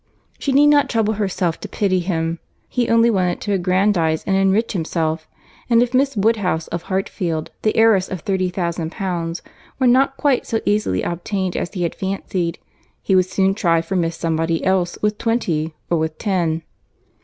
She need not trouble herself to pity him. He only wanted to aggrandise and enrich himself; and if Miss Woodhouse of Hartfield, the heiress of thirty thousand pounds, were not quite so easily obtained as he had fancied, he would soon try for Miss Somebody else with twenty, or with ten.